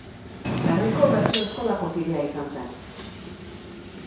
Garriko bertso-eskolako kidea izan zen.